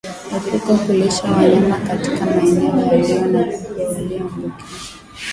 Epuka kulisha wanyama katika maeneo yaliyo na kupe walioambukizwa